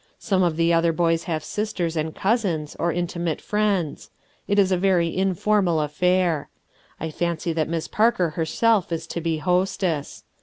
Some of the other boys have sisters, and cousins, or intimate friends; it is a very informal affair. I fancy that Miss Parker herself is to be hostess.